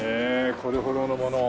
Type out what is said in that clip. これほどのものを。